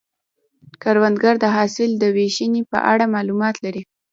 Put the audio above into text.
کروندګر د حاصل د ویشنې په اړه معلومات لري